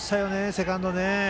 セカンド。